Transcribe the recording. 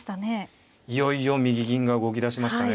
いよいよ右銀が動きだしましたね。